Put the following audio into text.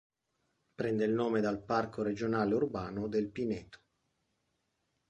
Prende il nome dal parco regionale urbano del Pineto.